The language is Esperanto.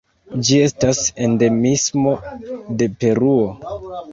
Ĝi estas endemismo de Peruo.